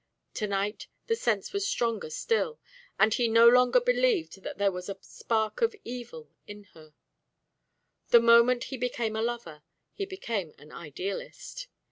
To night the sense was stronger still, and he no longer believed that there was a spark of evil in her; the moment he became a lover, he became an idealist.